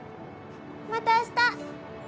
また明日！